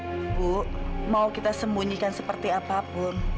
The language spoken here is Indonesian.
ibu mau kita sembunyikan seperti apapun